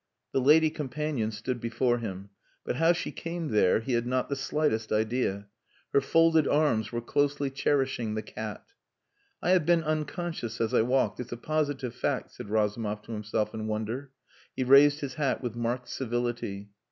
The lady companion stood before him, but how she came there he had not the slightest idea. Her folded arms were closely cherishing the cat. "I have been unconscious as I walked, it's a positive fact," said Razumov to himself in wonder. He raised his hat with marked civility.